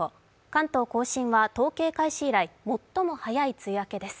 関東甲信は、統計開始以来最も早い梅雨明けです。